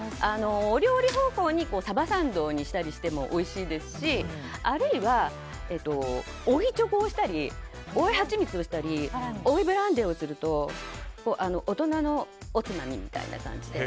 お料理方向にサバサンドにしたりしてもおいしいですしあるいは、追いチョコをしたり追いハチミツをしたり追いブランデーをすると大人のおつまみみたいな感じで。